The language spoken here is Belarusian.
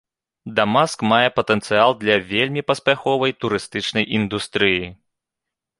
Дамаск мае патэнцыял для вельмі паспяховай турыстычнай індустрыі.